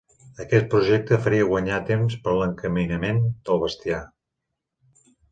Aquest projecte faria guanyar temps per a l'encaminament del bestiar.